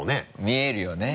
見えるよね。